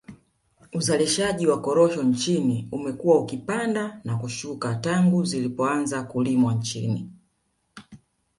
Uzalishaji wa korosho nchini umekuwa ukipanda na kushuka tangu zilipoanza kulimwa nchini